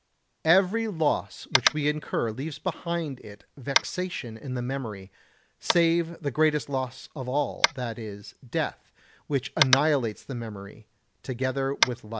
Every loss which we incur leaves behind it vexation in the memory, save the greatest loss of all, that is, death, which annihilates the memory, together with life.